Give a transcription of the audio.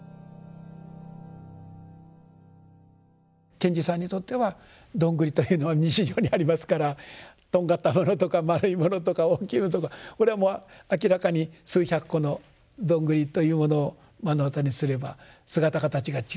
賢治さんにとってはどんぐりというのは日常にありますからとんがったものとか丸いものとか大きいのとかこれはもう明らかに数百個のどんぐりというものを目の当たりにすれば姿形が違う。